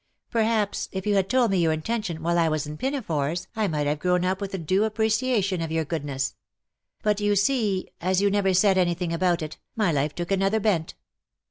Perhaps, if you had told me your intention while I was in pinafores I might have grown up with a due appreciation of your goodness. But you see, as you never said anything about it, my life took another bent."'